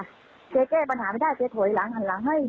แกแก้ปัญหาไม่ได้แกถอยหลังหันหลังให้